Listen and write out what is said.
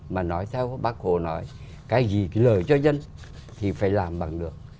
mà nói theo bác hồ nói cái gì lời cho dân thì phải làm bằng được